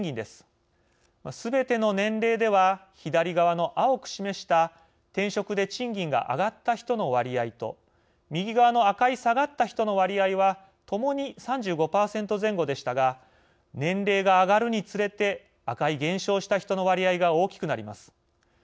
すべての年齢では左側の青く示した転職で賃金が上がった人の割合と右側の赤い下がった人の割合はともに３５％前後でしたが年齢が上がるにつれて赤い減少した人の割合が大きくなります。